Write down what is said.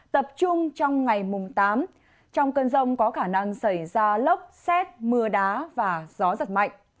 tập trung trong ngày mùng tám trong cơn rông có khả năng xảy ra lốc xét mưa đá và gió giật mạnh